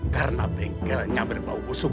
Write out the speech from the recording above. karena bengkelnya berbau busuk